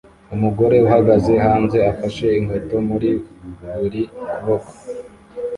Umugore uhagaze hanze afashe inkweto muri buri kuboko